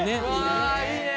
わいいね！